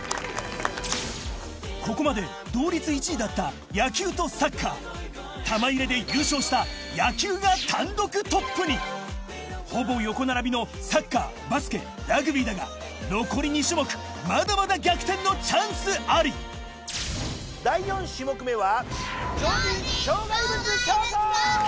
・ここまで同率１位だった野球とサッカー玉入れで優勝した野球が単独トップにほぼ横並びのサッカーバスケラグビーだが残り２種目まだまだ逆転のチャンスあり第４種目めは。